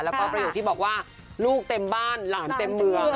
แล้วก็ประโยคที่บอกว่าลูกเต็มบ้านหลานเต็มเมือง